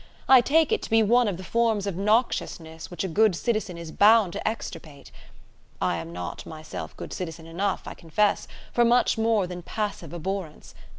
I take it to be one of the forms of noxiousness which a good citizen is bound to extirpate. I am not myself good citizen enough, I confess, for much more than passive abhorrence.